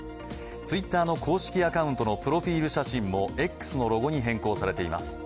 Ｔｗｉｔｔｅｒの公式アカウントのプロフィール写真もＸのロゴに変更されています。